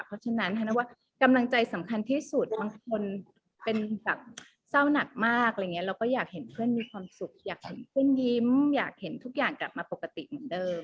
เพราะฉะนั้นธนันว่ากำลังใจสำคัญที่สุดบางคนเป็นแบบเศร้าหนักมากอะไรอย่างนี้เราก็อยากเห็นเพื่อนมีความสุขอยากเห็นเพื่อนยิ้มอยากเห็นทุกอย่างกลับมาปกติเหมือนเดิม